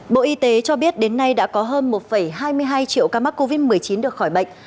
bộ y tế cho biết đến nay đã có hơn một hai mươi hai triệu ca mắc covid một mươi chín được khỏi bệnh